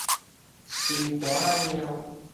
心肝仔貓